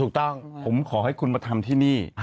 ถูกต้องผมขอให้คุณมาทำที่นี่